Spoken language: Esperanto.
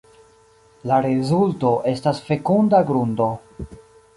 La rezulto estas fekunda grundo.